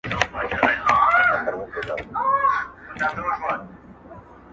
ستا د ښايستو اوښکو حُباب چي په لاسونو کي دی,